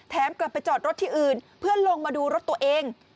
กลับไปจอดรถที่อื่นเพื่อลงมาดูรถตัวเอง